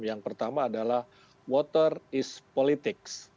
yang pertama adalah water is politics